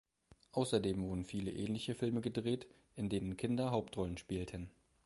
Außerdem wurden viele ähnliche Filme gedreht, in denen Kinder Hauptrollen spielten.